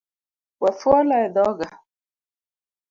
We fuolo edhoga